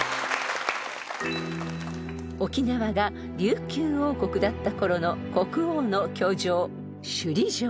［沖縄が琉球王国だったころの国王の居城首里城］